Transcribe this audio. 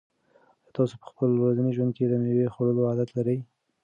آیا تاسو په خپل ورځني ژوند کې د مېوو خوړلو عادت لرئ؟